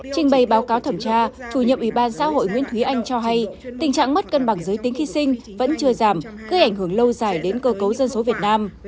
trình bày báo cáo thẩm tra chủ nhiệm ủy ban xã hội nguyễn thúy anh cho hay tình trạng mất cân bằng giới tính khi sinh vẫn chưa giảm gây ảnh hưởng lâu dài đến cơ cấu dân số việt nam